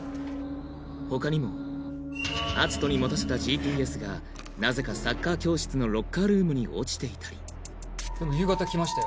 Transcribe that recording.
他にも篤斗に持たせたＧＰＳがなぜかサッカー教室のロッカールームに落ちていたりでも夕方来ましたよ。